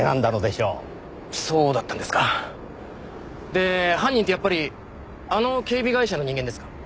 で犯人ってやっぱりあの警備会社の人間ですか？